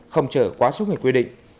không chở quá suốt ngày quy định